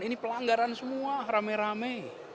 ini pelanggaran semua rame rame